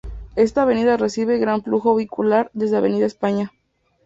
Esta avenida recibe gran flujo vehicular desde Avenida España.